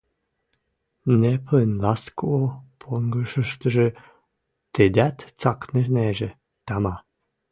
Нэпӹн «ласко» понгышыштыжы тӹдӓт цӓкнӹнежӹ, тама.